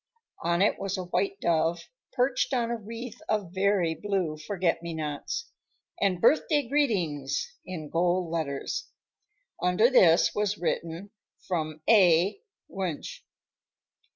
On it was a white dove, perched on a wreath of very blue forget me nots, and "Birthday Greetings" in gold letters. Under this was written, "From A. Wunsch."